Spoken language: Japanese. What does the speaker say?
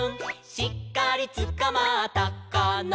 「しっかりつかまったかな」